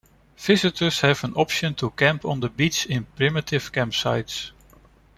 Visitors have an option to camp on the beach in primitive campsites.